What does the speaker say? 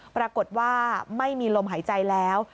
ปรากฏว่าไม่มีลมหายใจแล้ว